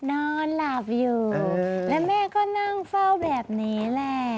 นอนหลับอยู่แล้วแม่ก็นั่งเฝ้าแบบนี้แหละ